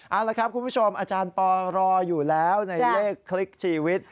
เอาละครับคุณผู้ชมอาจารย์ปอรออยู่แล้วในเลขคลิกชีวิต